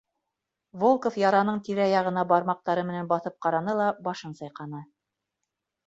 Волков яраның тирә-яғына бармаҡтары менән баҫып ҡараны ла башын сайҡаны: